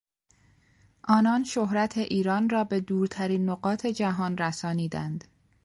آنان شهرت ایران را به دورترین نقاط جهان رسانیدند.